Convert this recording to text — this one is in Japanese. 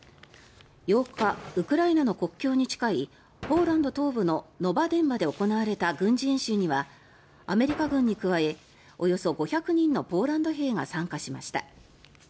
８日、ウクライナの国境に近いポーランド東部のノバデンバで行われた軍事演習にはアメリカ軍に加えおよそ５００人のポーランド兵が参加しました。